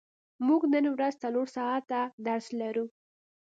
موږ نن ورځ څلور ساعته درس لرو.